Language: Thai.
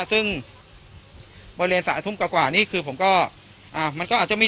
ซึ่งบริเวณสามทุ่มกว่านี่คือผมก็อ่ามันก็อาจจะมี